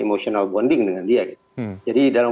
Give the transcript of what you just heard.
emosional bonding dengan dia jadi dalam